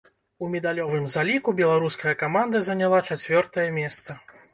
У медалёвым заліку беларуская каманда заняла чацвёртае месца.